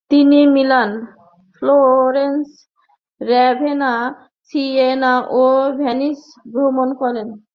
তিনি Milan, Florence, Ravenna, Siena ও Venice ভ্রমণ করেন।